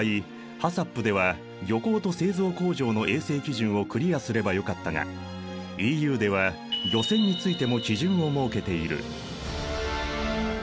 ＨＡＣＣＰでは漁港と製造工場の衛生基準をクリアすればよかったがＥＵでは漁船についても基準を設けている。